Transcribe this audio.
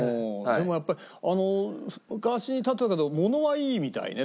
でもやっぱり昔に建てたけど物はいいみたいね。